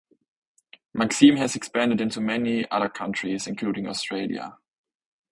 "Maxim" has expanded into many other countries, including Australia.